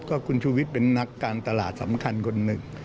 ก็คุณชูวิทย์เป็นนักการตลาดสำคัญคนหนึ่ง